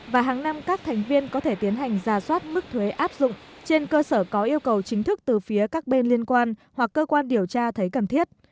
và hàng năm các thành viên có thể tiến hành ra soát mức thuế áp dụng trên cơ sở có yêu cầu chính thức từ phía các bên liên quan hoặc cơ quan điều tra thấy cần thiết